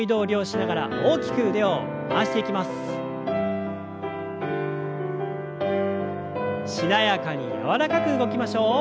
しなやかに柔らかく動きましょう。